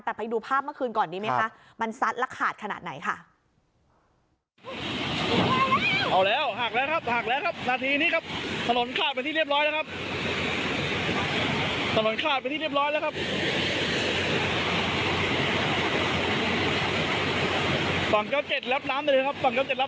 แต่ไปดูภาพเมื่อคืนก่อนดีไหมคะมันซัดและขาดขนาดไหนค่ะ